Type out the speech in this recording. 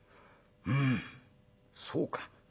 うんそうか」。